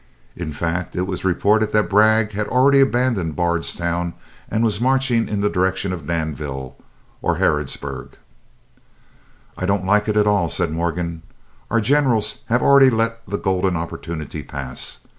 In fact, it was reported that Bragg had already abandoned Bardstown and was marching in the direction of Danville or Harrodsburg. "I don't like it at all," said Morgan. "Our generals have already let the golden opportunity pass.